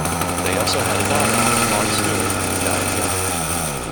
They also had a daughter, Maud Stewart, who died young.